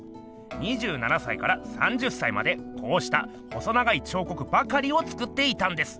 ２７歳から３０歳までこうした細長い彫刻ばかりを作っていたんです。